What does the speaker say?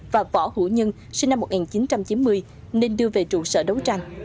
và võ hữu nhân sinh năm một nghìn chín trăm chín mươi nên đưa về trụ sở đấu tranh